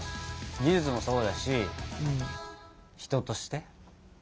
技術もそうだし人として？